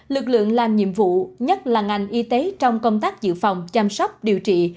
lực lượng làm nhiệm vụ nhất là ngành y tế trong công tác dự phòng chăm sóc điều trị